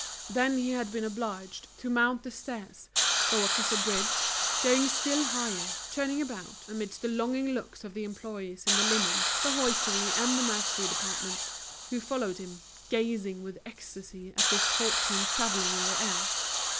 Then he had been obliged to mount the stairs, go across a bridge, going still higher, turning about, amidst the longing looks of the employees in the linen, the hosiery, and the mercery departments, who followed him, gazing with ecstasy at this fortune travelling in the air.